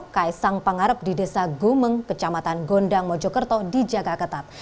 kaisang pangarep di desa gumeng kecamatan gondang mojokerto dijaga ketat